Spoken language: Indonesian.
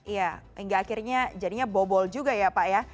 iya hingga akhirnya jadinya bobol juga ya pak ya